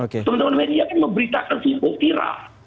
teman teman media kan memberitakan video viral